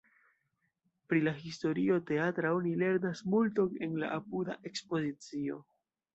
Pri la historio teatra oni lernas multon en la apuda ekspozicio.